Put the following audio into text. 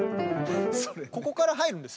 ここから入るんです。